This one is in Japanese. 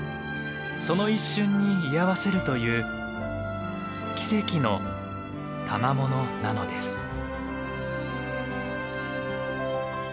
その一瞬に居合わせるという奇跡のたまものなのです。